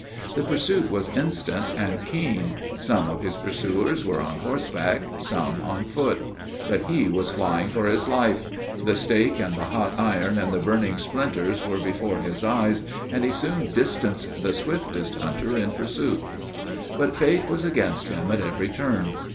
The pursuit was instant and keen. Some of his pursuers were on horseback, some on foot. But he was flying for his life. The stake and the hot iron, and the burning splinters were before his eyes, and he soon distanced the swiftest hunter in pursuit. But fate was against him at every turn.